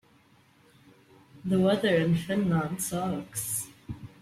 The weather in Finland sucks.